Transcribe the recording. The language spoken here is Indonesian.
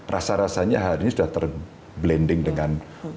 rasa rasanya hari ini sudah terblending dengan